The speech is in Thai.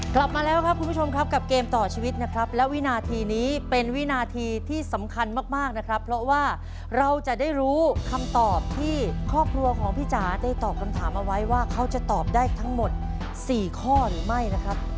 กลับมาแล้วครับคุณผู้ชมครับกับเกมต่อชีวิตนะครับและวินาทีนี้เป็นวินาทีที่สำคัญมากมากนะครับเพราะว่าเราจะได้รู้คำตอบที่ครอบครัวของพี่จ๋าได้ตอบคำถามเอาไว้ว่าเขาจะตอบได้ทั้งหมด๔ข้อหรือไม่นะครับ